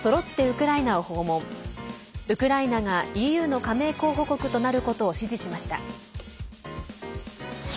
ウクライナがＥＵの加盟候補国となることを支持しました。